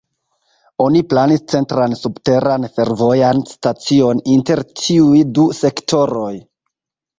Oni planis centran subteran fervojan stacion inter tiuj du sektoroj.